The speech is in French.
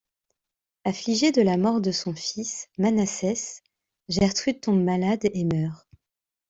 Affligée de la mort de son fils Manassès, Gertrude tombe malade et meurt.